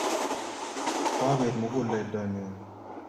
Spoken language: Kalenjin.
Kwabet muguleldo nyun